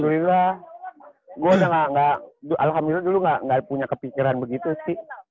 alhamdulillah gue udah gak alhamdulillah dulu nggak punya kepikiran begitu sih